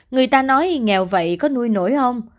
người ta nói nghèo vậy có nuôi nổi không